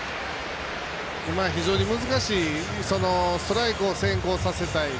非常に難しいストライクを先行させたい。